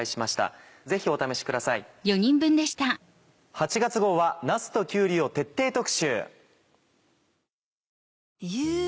８月号はなすときゅうりを徹底特集！